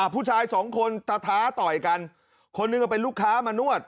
ผู้ชายสองคนตะท้าต่อยกันคนหนึ่งก็เป็นลูกค้ามานวด